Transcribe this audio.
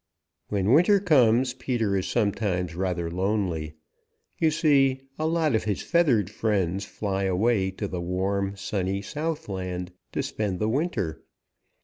When winter comes Peter is sometimes rather lonely. You see, a lot of his feathered friends fly away to the warm, sunny Southland to spend the winter.